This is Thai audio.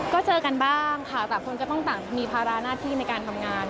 ก็เจอกันบ้างค่ะต่างคนก็ต้องต่างมีภาระหน้าที่ในการทำงาน